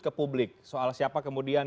ke publik soal siapa kemudian